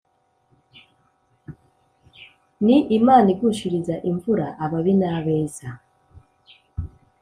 Ni Imana igushiriza imvura ababi n’abeza